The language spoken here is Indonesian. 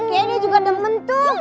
kayaknya dia juga demen tuh